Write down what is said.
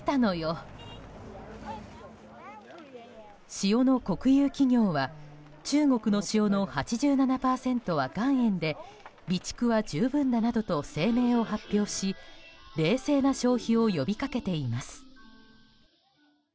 塩の国有企業は中国の塩の８７％は岩塩で備蓄は十分だなどと声明を発表し、冷静な消費を呼びかけています。